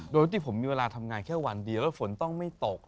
โดยที่ผมมีเวลาทำงานแค่วันเดียวแล้วฝนต้องไม่ตก